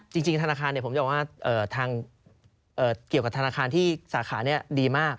จริงธนาคารผมจะบอกว่าเกี่ยวกับธนาคารที่สาขาดีมาก